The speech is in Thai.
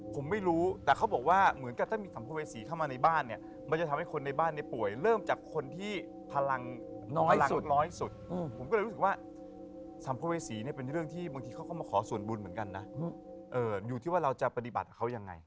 ผมไม่รู้แต่เขาบอกว่าเหมือนกับถ้ามีสัมภเวษีเข้ามาในบ้านเนี่ยมันจะทำให้คนในบ้านเนี่ยป่วยเริ่มจากคนที่พลังน้อยสุดน้อยสุดผมก็เลยรู้สึกว่าสัมภเวษีเนี่ยเป็นเรื่องที่บางทีเขาก็มาขอส่วนบุญเหมือนกันนะอยู่ที่ว่าเราจะปฏิบัติกับเขายังไง